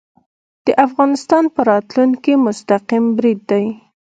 د افغانستان په راتلونکې مستقیم برید دی